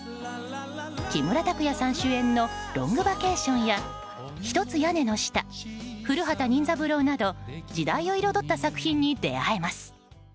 木村拓哉さん主演の「ロングバケーション」や「ひとつ屋根の下」「古畑任三郎」など時代を彩った作品に出会えます。